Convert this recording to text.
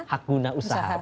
hak guna usaha